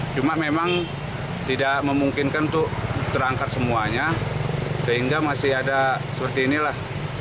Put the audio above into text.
cuma memang tidak memungkinkan untuk terangkat semuanya sehingga masih ada seperti inilah